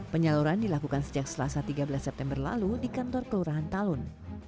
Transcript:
penyaluran dilakukan sejak selasa tiga belas september lalu di kantor kelurahan talun